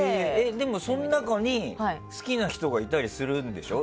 でも、その中に好きな人がいたりするでしょ？